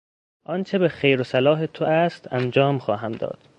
آنچه به خیر و صلاح تو است انجام خواهم داد.